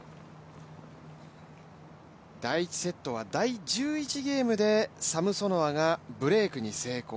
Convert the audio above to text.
第１セットは第１１ゲームでサムソノワがブレークに成功。